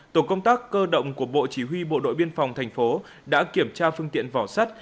tổ công tác cơ động của bộ chỉ huy bộ đội biên phòng thành phố đã kiểm tra phương tiện vỏ sắt